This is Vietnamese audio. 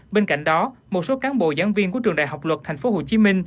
bên cạnh đó một số cán bộ giảng viên của trường đại học luật tp hcm